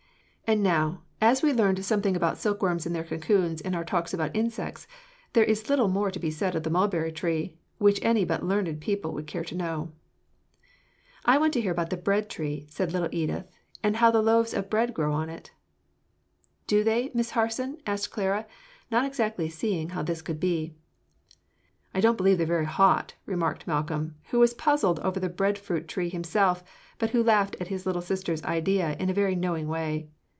And now, as we learned something about silkworms and their cocoons in our talks about insects, there is little more to be said of the mulberry tree which any but learned people would care to know." See Flyers and Crawlers. Presbyterian Board of Publication. "I want to hear about the bread tree," said little Edith, "and how the loaves of bread grow on it." "Do they, Miss Harson?" asked Clara, not exactly seeing how this could be. "I don't believe they're very hot," remarked Malcolm, who was puzzled over the bread fruit tree himself, but who laughed at his little sister's idea in a very knowing way.